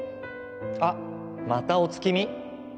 あっまたお月見？